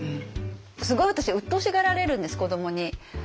すごい私うっとうしがられるんです子どもに。